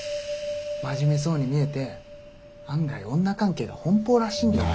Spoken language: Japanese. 真面目そうに見えて案外女関係が奔放らしいんだよ。